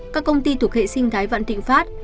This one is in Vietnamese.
các công ty thuộc hệ sinh thái vạn thịnh pháp